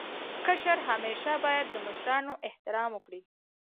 کشر همېشه باید د مشرانو احترام وکړي.